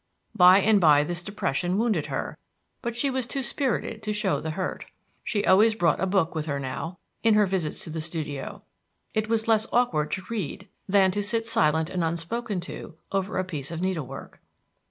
By and by this depression wounded her, but she was too spirited to show the hurt. She always brought a book with her now, in her visits to the studio; it was less awkward to read than to sit silent and unspoken to over a piece of needle work.